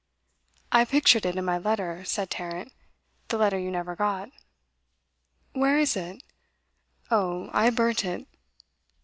'I pictured it in my letter,' said Tarrant, 'the letter you never got.' 'Where is it?' 'Oh, I burnt it.